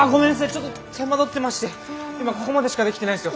ちょっと手間取ってまして今ここまでしかできてないんですよ。